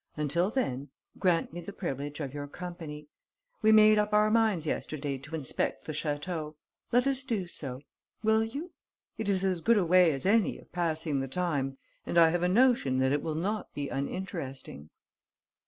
Until then, grant me the privilege of your company. We made up our minds yesterday to inspect the château. Let us do so. Will you? It is as good a way as any of passing the time and I have a notion that it will not be uninteresting."